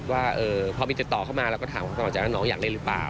ว่าพอมีติดต่อเข้ามาเราก็ถามเขาตลอดใจว่าน้องอยากเล่นหรือเปล่า